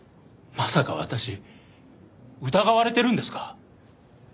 まさか私疑われてるんですか？